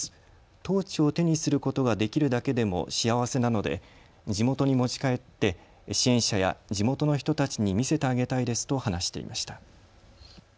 トーチを手にすることができるだけでも幸せなので地元に持ち帰って支援者や地元の人たちに見せてあげたいですと話していました。